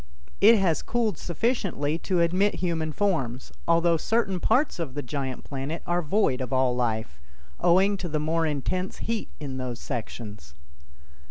It has cooled sufficiently to admit human forms, although certain parts of the giant planet are void of all life, owing to the more intense heat in those sections.